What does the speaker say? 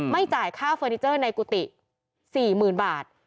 จ่ายค่าเฟอร์นิเจอร์ในกุฏิ๔๐๐๐บาท